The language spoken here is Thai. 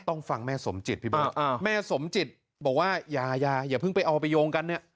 ต้องฟังแม่สมจิตพี่เบิร์ดแม่สมจิตบอกว่าอย่าอย่าเพิ่งไปเอาไปโยงกันเนี่ย